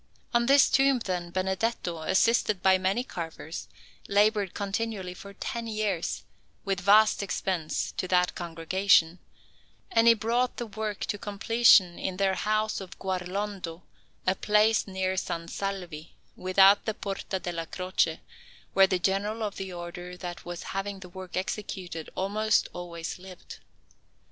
On this tomb, then, Benedetto, assisted by many carvers, laboured continually for ten years, with vast expense to that Congregation; and he brought the work to completion in their house of Guarlondo, a place near San Salvi, without the Porta alla Croce, where the General of the Order that was having the work executed almost always lived.